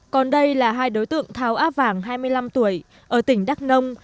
còn đây là hai đối tượng tháo á vàng hai mươi năm tuổi ở tỉnh đắk nông